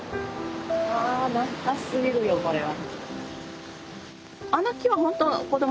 あ懐かしすぎるよこれは。